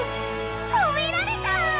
ほめられた！